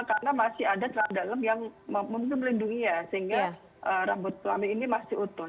karena masih ada celana dalem yang mungkin melindungi ya sehingga rambut kelamin ini masih utuh